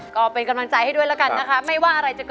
เข็มจนใดนอกความหัก